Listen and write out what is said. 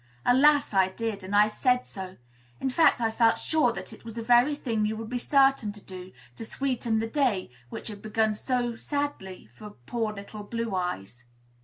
Alas! I did, and I said so; in fact, I felt sure that it was the very thing you would be certain to do, to sweeten the day, which had begun so sadly for poor little Blue Eyes.